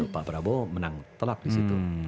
pak prabowo menang telak di situ